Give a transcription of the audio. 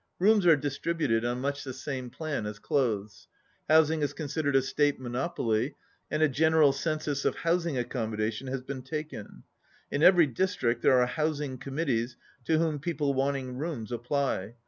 Rooms are distributed on much the same plan as clothes. Housing is considered a State monop oly, and a general census of housing accommoda tion has been taken. In every district there are housing committees to whom people wanting rooms apply.